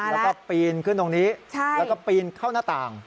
แล้วก็ปีนขึ้นตรงนี้แล้วก็ปีนเข้าหน้าต่าง